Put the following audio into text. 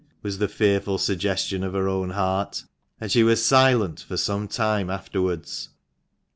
was the fearful suggestion of her own heart, and she was silent for some time afterwards.